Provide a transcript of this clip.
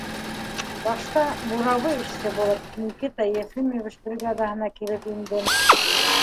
— Башта, буровой эшсе булып, Никита Ефимович бригадаһына килеп индем.